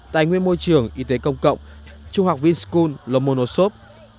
tài nguyên môi trường y tế công cộng trung học vinscon lomonosov